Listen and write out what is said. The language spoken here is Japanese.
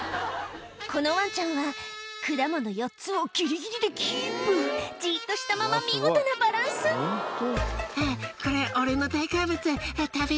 このワンちゃんは果物４つをギリギリでキープじっとしたまま見事なバランス「あっこれ俺の大好物食べたい」